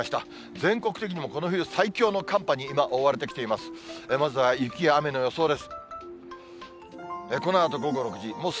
全国的にもこの冬最強の寒波に今、覆われてきています。